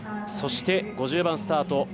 そして、５０番スタート。